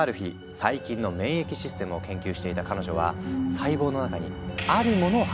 細菌の免疫システムを研究していた彼女は細胞の中にあるものを発見する。